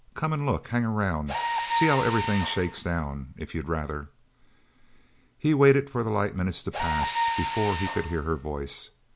Come and look, hang around see how everything shakes down, if you'd rather." He waited for the light minutes to pass, before he could hear her voice.